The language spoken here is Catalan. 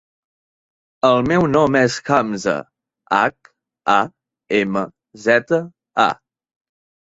El meu nom és Hamza: hac, a, ema, zeta, a.